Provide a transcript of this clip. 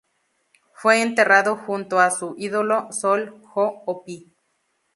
Fue enterrado junto a su ídolo Sol Hoʻopiʻi.